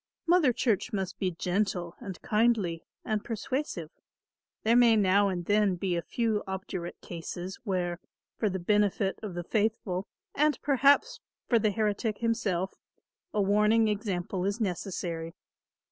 Mother Church must be gentle and kindly and persuasive. There may now and then be a few obdurate cases where, for the benefit of the faithful and perhaps for the heretic himself, a warning example is necessary.